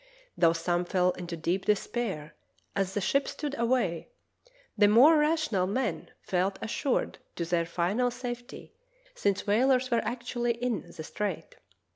Though some fell into deep despair as the ship stood away, the more rational men felt as sured of their final safety, since whalers were actually in the strait.